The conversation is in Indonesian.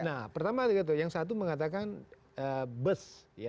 nah pertama yang satu mengatakan bus